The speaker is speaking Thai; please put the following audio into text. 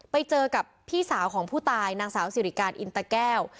ไปเจอกับพี่สาวของผู้ตายนางสาวสิริการอินตะแก้ว